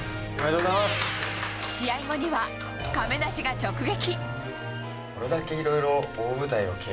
試合後には亀梨が直撃。